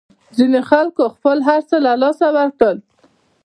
ځینو خلکو خپل هرڅه له لاسه ورکړل.